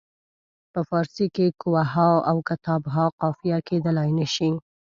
په فارسي کې کوه ها او کتاب ها قافیه کیدلای نه شي.